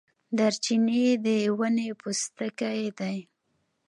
دارچینی د ونې پوستکی دی